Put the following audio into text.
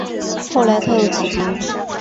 后来他又起兵。